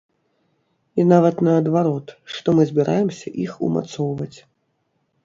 І нават наадварот, што мы збіраемся іх умацоўваць.